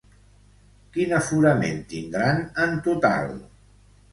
Quin aforament tindran en total?